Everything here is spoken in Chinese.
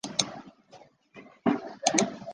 范睢肋骨介为粗面介科肋骨介属下的一个种。